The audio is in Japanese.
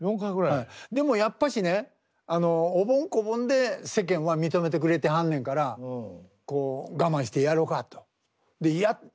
でもやっぱしねあのおぼん・こぼんで世間は認めてくれてはんねんからこう我慢してやろかと。でやってたから。